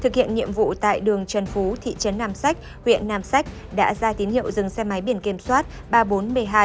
thực hiện nhiệm vụ tại đường trần phú thị trấn nam sách huyện nam sách đã ra tín hiệu dừng xe máy biển kiểm soát ba nghìn bốn trăm một mươi hai một mươi nghìn sáu trăm bốn mươi bốn